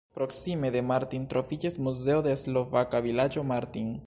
Proksime de Martin troviĝas Muzeo de slovaka vilaĝo Martin.